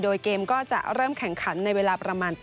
โดยเกมก็จะเริ่มแข่งขันในเวลาประมาณ